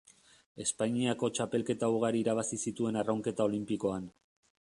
Espainiako txapelketa ugari irabazi zituen arraunketa olinpikoan.